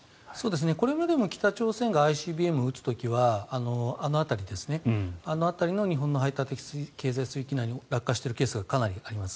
これまでも北朝鮮がＩＣＢＭを撃つ時はあの辺りの日本の排他的経済水域内に落下しているケースがかなりあります。